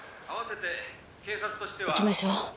「あわせて警察としては」行きましょう。